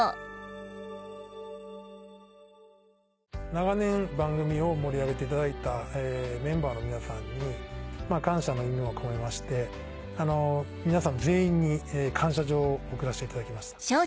長年番組を盛り上げていただいたメンバーの皆さんに感謝の意味を込めまして皆さん全員に感謝状を贈らせていただきました。